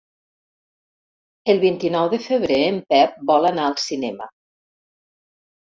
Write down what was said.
El vint-i-nou de febrer en Pep vol anar al cinema.